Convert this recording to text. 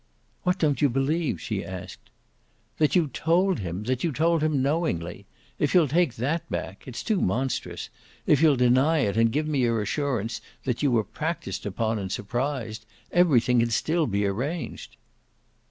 "What don't you believe?" she asked. "That you told him that you told him knowingly. If you'll take that back (it's too monstrous!) if you'll deny it and give me your assurance that you were practised upon and surprised, everything can still be arranged."